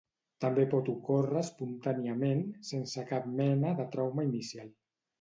També pot ocórrer espontàniament, sense cap mena de trauma inicial.